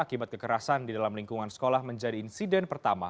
akibat kekerasan di dalam lingkungan sekolah menjadi insiden pertama